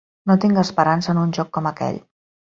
No tinc esperança en un joc com aquell.